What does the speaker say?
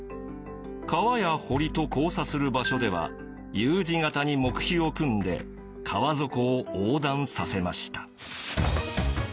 川や堀と交差する場所ではＵ字形に木を組んで川底を横断させました。